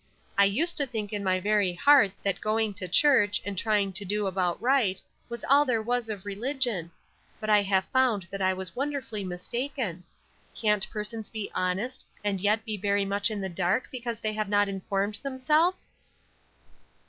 I used to think in my very heart that joining the church, and trying to do about right, was all there was of religion; but I have found that I was wonderfully mistaken. Can't persons be honest, and yet be very much in the dark because they have not informed themselves?"